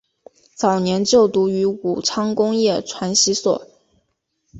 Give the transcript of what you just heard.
早年就读于武昌工业传习所。